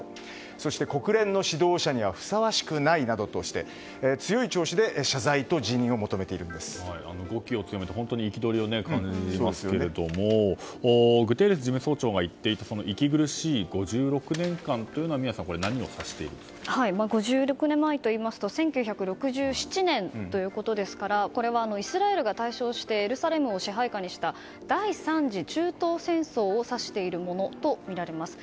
そして、国連の指導者にはふさわしくないなどとして強い調子で語気を強めて本当に憤りを感じますけれどもグテーレス事務総長が言っていた息苦しい５６年間というのは５６年前というと１９６７年ということですからこれはイスラエルが大勝してエルサレムを支配下にした第３次中東戦争を指しているものとみられます。